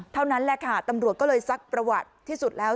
เท่านั้นแหละค่ะตำรวจก็เลยซักประวัติที่สุดแล้ว